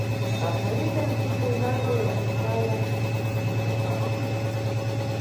Pakhalibe mpfundo inango yakusaya kudziwika.